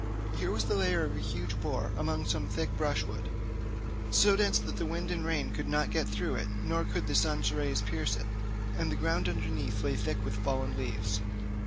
Here was the lair of a huge boar among some thick brushwood, so dense that the wind and rain could not get through it, nor could the sun's rays pierce it, and the ground underneath lay thick with fallen leaves.